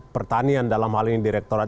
pertanian dalam hal ini direkturat